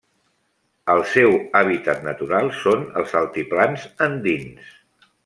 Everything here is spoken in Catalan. El seu hàbitat natural són els altiplans andins.